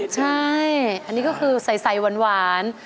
ใช่อันนี้ก็คือใส่หวาน